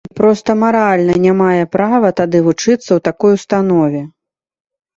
І проста маральна не мае права тады вучыцца ў такой установе.